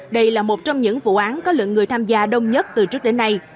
đây là một trong những vụ án có lượng người tham gia đông nhất từ trước đến nay